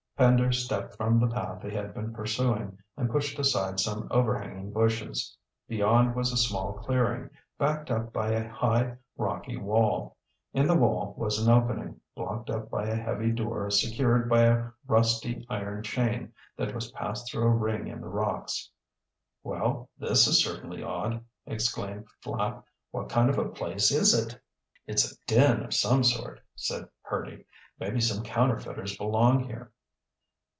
Pender stepped from the path they had been pursuing and pushed aside some overhanging bushes. Beyond was a small clearing, backed up by a high, rocky wall. In the wall was an opening, blocked up by a heavy door secured by a rusty iron chain that was passed through a ring in the rocks. "Well, this is certainly odd," exclaimed Flapp. "What kind of a place is it"? "It's a den of some sort," said Hurdy. "Maybe some counterfeiters belong here."